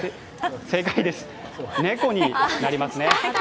正解です、猫になりますね。